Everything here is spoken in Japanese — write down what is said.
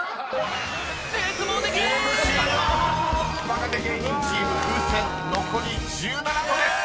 ［若手芸人チーム風船残り１７個です］